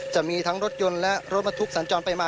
จะมีทั้งรถยนต์และรถบรรทุกสัญจรไปมา